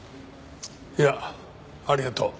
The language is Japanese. いやありがとう。